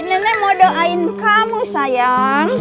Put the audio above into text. nenek mau doain kamu sayang